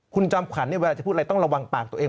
คุณจอมขวัญเวลาจะพูดอะไรต้องระวังปากตัวเอง